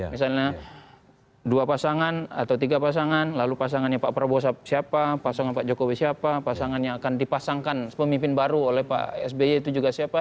misalnya dua pasangan atau tiga pasangan lalu pasangannya pak prabowo siapa pasangan pak jokowi siapa pasangan yang akan dipasangkan pemimpin baru oleh pak sby itu juga siapa